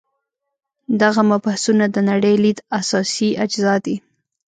دغه مبحثونه د نړۍ لید اساسي اجزا دي.